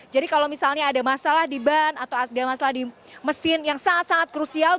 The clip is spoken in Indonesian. jadi kalau misalnya ada masalah di ban atau ada masalah di mesin yang sangat sangat krusial